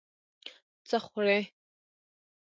څه خوړې؟